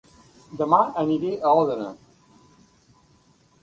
Dema aniré a Òdena